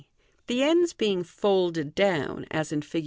The ends being folded down, as in Fig.